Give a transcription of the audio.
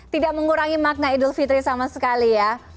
tidak mengurangi makna idul fitri sama sekali ya